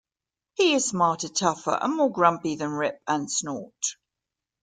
He is smarter, tougher, and more grumpy than Rip and Snort.